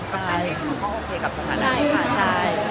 มันก็โอเคกับสถานที่ค่ะ